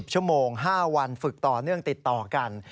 ชั่วโมง๕วันฝึกต่อเนื่องติดต่อกัน